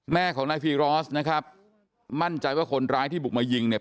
แม่ของนายฟีรอสนะครับมั่นใจว่าคนร้ายที่บุกมายิงเนี่ย